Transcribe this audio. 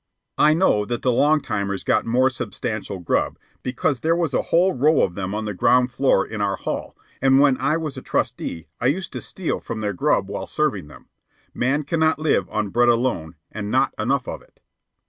I know that the long timers got more substantial grub, because there was a whole row of them on the ground floor in our hall, and when I was a trusty, I used to steal from their grub while serving them. Man cannot live on bread alone and not enough of it.